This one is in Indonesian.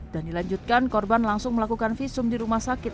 dan dilanjutkan korban langsung melakukan visum di rumah sakit